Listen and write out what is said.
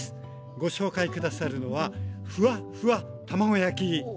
ご紹介下さるのはふわふわ卵焼きです。